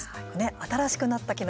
新しくなった機能